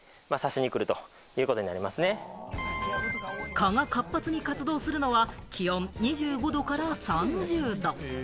蚊が活発に活動するのは気温２５度から３０度。